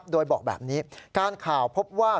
โดยบอกแบบนี้การข่าวพบว่า